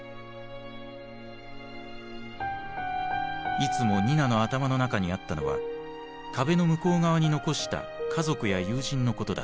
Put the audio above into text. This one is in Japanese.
いつもニナの頭の中にあったのは壁の向こう側に残した家族や友人のことだった。